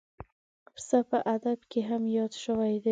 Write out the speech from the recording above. پسه په ادب کې هم یاد شوی دی.